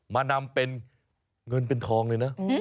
มานำเป็นเงินเป็นทองเลยนะ